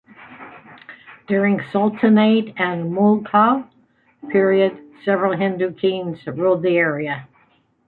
During Sultanate and Mughal period several Hindu kings ruled the area.